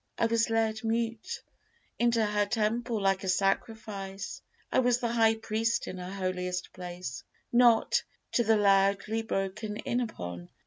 I was led mute Into her temple like a sacrifice; I was the high priest in her holiest place, Not to be loudly broken in upon.